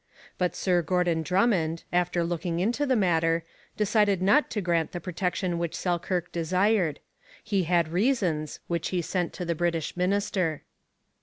But Sir Gordon Drummond, after looking into the matter, decided not to grant the protection which Selkirk desired. He had reasons, which he sent to the British minister.